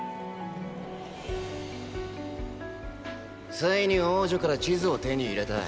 ついに王女から地図を手に入れた。